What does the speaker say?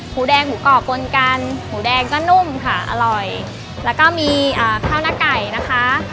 หมูแดงหมูกรอบปนกันหมูแดงก็นุ่มค่ะอร่อยแล้วก็มีข้าวหน้าไก่นะคะ